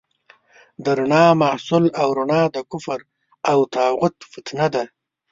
د رڼا حصول او رڼا د کفر او طاغوت فتنه ده.